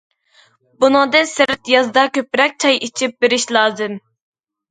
بۇنىڭدىن سىرت يازدا كۆپرەك چاي ئىچىپ بېرىش لازىم.